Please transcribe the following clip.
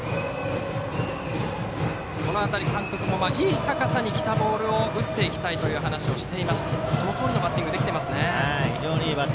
この辺り、監督もいい高さに来たボールを打っていきたいという話をしていましたがそのとおりのバッティングができていますね。